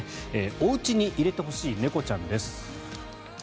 おうちに入れてほしい猫ちゃんです。